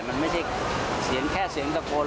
มันไม่ใช่แค่เสียงกระโกรธรรม